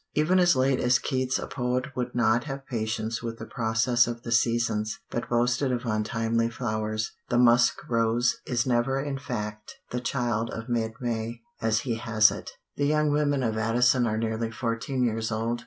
Even as late as Keats a poet would not have patience with the process of the seasons, but boasted of untimely flowers. The "musk rose" is never in fact the child of mid May, as he has it. The young women of Addison are nearly fourteen years old.